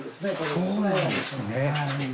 そうなんですね。